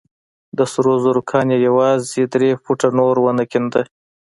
د سرو زرو کان يې يوازې درې فوټه نور ونه کينده.